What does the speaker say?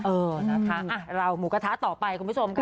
เออนะคะเราหมูกระทะต่อไปคุณผู้ชมค่ะ